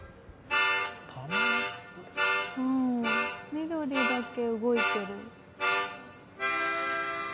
緑だけ動いてる？